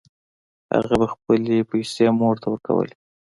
هغه به خپلې پیسې مور ته ورکولې